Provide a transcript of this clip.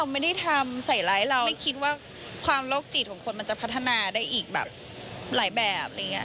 ไม่คิดว่าความโรคจิตของคนมันจะพัฒนาได้อีกหลายแบบ